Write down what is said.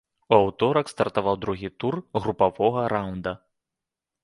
У аўторак стартаваў другі тур групавога раўнда.